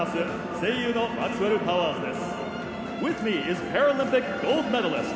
声優のマックスウェル・パワーズです。